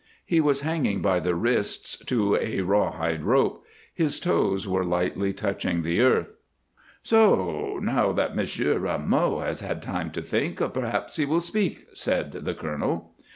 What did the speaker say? He was hanging by the wrists to a rawhide rope; his toes were lightly touching the earth. "So! Now that Monsieur Rameau has had time to think, perhaps he will speak," said the colonel.